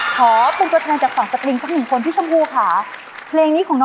ขอคุณกฎภัณฑ์สำหรับสกริง